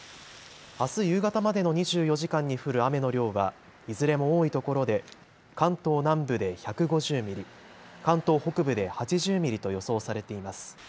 あす夕方までの２４時間に降る雨の量はいずれも多いところで関東南部で１５０ミリ、関東北部で８０ミリと予想されています。